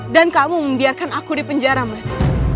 dan kamu membiarkan aku di penjara mas